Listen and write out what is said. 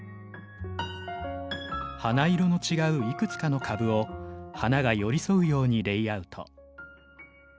花色の違ういくつかの株を花が寄り添うようにレイアウト。